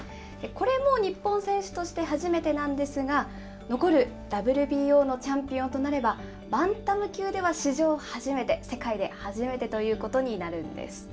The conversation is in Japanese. これも日本選手として初めてなんですが、残るＷＢＯのチャンピオンとなれば、バンタム級では史上初めて、世界で初めてということになるんです。